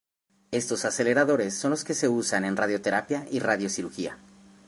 Estos aceleradores son los que se usan en radioterapia y radiocirugía.